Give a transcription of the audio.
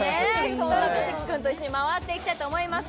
そんな小関君と一緒に回っていきたいと思います。